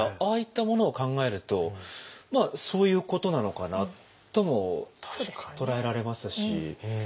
ああいったものを考えるとまあそういうことなのかなとも捉えられますし。